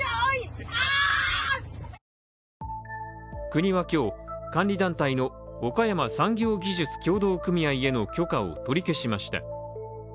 国は今日、監理団体の岡山産業技術協同組合への許可を取り消しました。